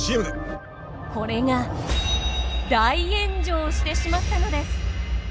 これが大炎上してしまったのです！